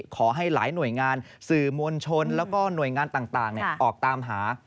ขอให้หลายหน่วยงานสื่อมวลชนแล้วก็หน่วยงานต่างออกตามหา